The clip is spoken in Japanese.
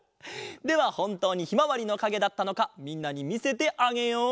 ではほんとうにひまわりのかげだったのかみんなにみせてあげよう！